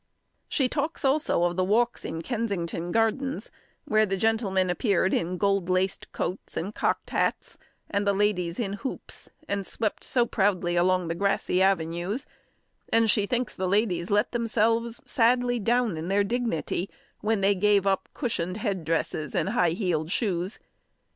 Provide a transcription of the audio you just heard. She talks also of the walks in Kensington Gardens, where the gentlemen appeared in gold laced coats and cocked hats, and the ladies in hoops, and swept so proudly along the grassy avenues; and she thinks the ladies let themselves sadly down in their dignity, when they gave up cushioned head dresses and high heeled shoes.